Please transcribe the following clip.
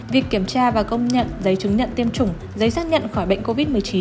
việc kiểm tra và công nhận giấy chứng nhận tiêm chủng giấy xác nhận khỏi bệnh covid một mươi chín